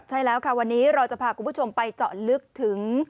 ใช่แล้วค่ะวันนี้เราจะพาคุณผู้ชมไปเจาะลึกถึง